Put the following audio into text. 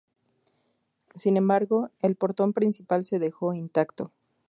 Sin embargo, el portón principal se dejó intacto.